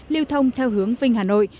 liêu thông theo hướng vinh hà nội